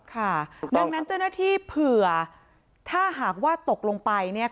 ค่ะดังนั้นเจ้าหน้าที่เผื่อถ้าหากว่าตกลงไป